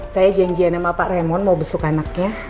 saya janjian sama pak remon mau besuk anaknya